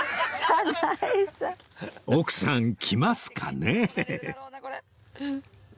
奥さん着ますかね？